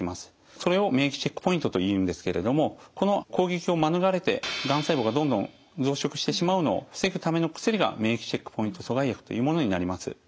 それを免疫チェックポイントというんですけれどもこの攻撃を免れてがん細胞がどんどん増殖してしまうのを防ぐための薬が免疫チェックポイント阻害薬というものになります。